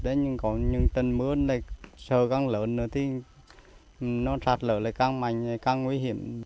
rạt lở như thế này cũng rất nguy hiểm